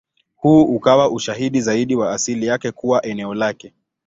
Huu ukawa ushahidi zaidi wa asili yake kuwa eneo lake.